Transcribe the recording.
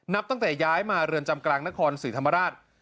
นับตั้งแต่ย้ายมาเรือนจำกลางนครศรีธรรมราช